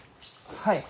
はい。